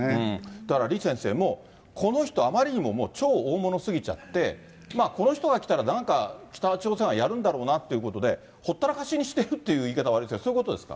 だから李先生も、この人はあまりにも超大物すぎちゃって、この人が来たら、なんか北朝鮮はやるんだろうなということで、ほったらかしにしているっていう言い方悪いですけど、そういうことですか？